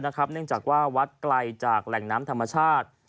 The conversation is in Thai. เนื่องจากว่าวัดไกลจากแหล่งน้ำธรรมชาติ